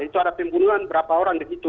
itu ada pembunuhan berapa orang di situ